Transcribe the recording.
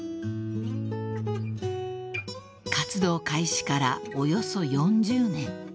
［活動開始からおよそ４０年］